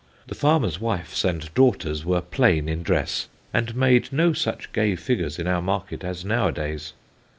The farmers' Wifes and Daughters were plain in Dress, and made no such gay figures in our Market as nowadays.